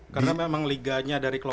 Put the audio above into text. karena memang liganya dari kelompok